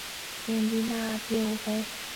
告别式后发引安厝于台北碧潭空军烈士公墓。